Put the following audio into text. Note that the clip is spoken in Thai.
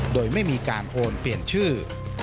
โดยไม่มีการโอนเปลี่ยนชื่อ